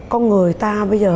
con người ta bây giờ